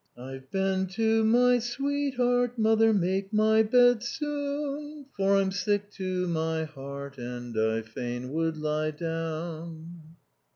"'I've been to my sweetheart, mother, make my bed soon, For I'm sick to my heart and I fain would lie down...'"